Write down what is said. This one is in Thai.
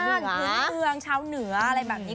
พื้นเมืองชาวเหนืออะไรแบบนี้